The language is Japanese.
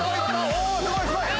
おすごいすごい！」